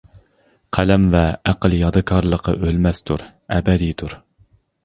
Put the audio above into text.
قەلەم ۋە ئەقىل يادىكارلىقى ئۆلمەستۇر، ئەبەدىيدۇر.